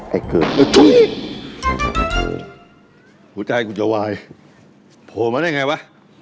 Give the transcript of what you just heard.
ไอ้เกิดอุ๊ยผู้ใจกูจะวายโผล่มาได้ยังไงวะ